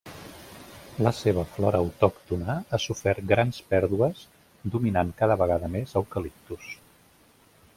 La seva flora autòctona ha sofert grans pèrdues dominant cada vegada més eucaliptus.